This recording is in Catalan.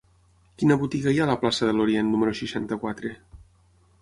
Quina botiga hi ha a la plaça de l'Orient número seixanta-quatre?